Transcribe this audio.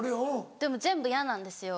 でも全部嫌なんですよ。